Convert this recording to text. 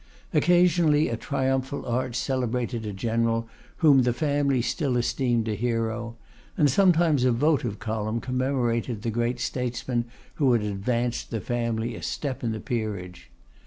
Occasionally a triumphal arch celebrated a general whom the family still esteemed a hero; and sometimes a votive column commemorated the great statesman who had advanced the family a step in the peerage.